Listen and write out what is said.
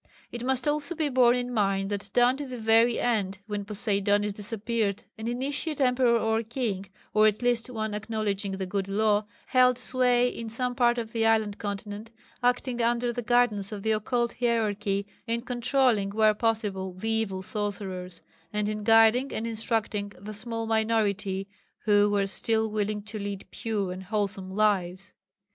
It must also be borne in mind that down to the very end when Poseidonis disappeared, an Intitiate emperor or king or at least one acknowledging the "good law" held sway in some part of the island continent, acting under the guidance of the Occult Hierarchy in controlling where possible the evil sorcerers, and in guiding and instructing the small minority who were still willing to lead pure and wholesome lives.